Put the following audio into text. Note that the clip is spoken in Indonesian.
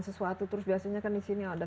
sesuatu terus biasanya kan disini ada